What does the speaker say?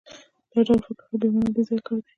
دا ډول فکر کول بې مانا او بېځایه کار دی